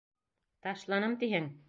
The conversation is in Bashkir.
Ташланым тиһең?